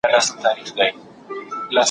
زه کولای سم تمرين وکړم؟!